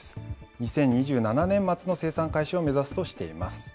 ２０２７年末の生産開始を目指すとしています。